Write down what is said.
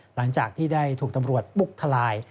หลังจากที่ได้ถูกตำรวจบุกทลาย